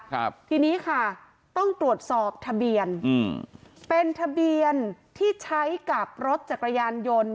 ครับทีนี้ค่ะต้องตรวจสอบทะเบียนอืมเป็นทะเบียนที่ใช้กับรถจักรยานยนต์